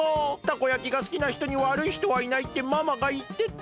たこ焼きがすきなひとにわるいひとはいないってママがいってた。